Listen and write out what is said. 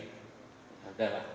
enggak ada lah